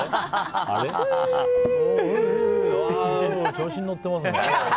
調子に乗ってますね。